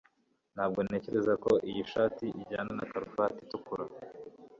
ntabwo ntekereza ko iyi shati ijyana na karuvati itukura